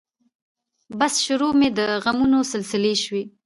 بس شروع مې د غمونو سلسلې شوې